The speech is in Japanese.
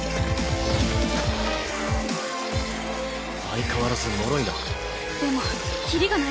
相変わらずもろいな。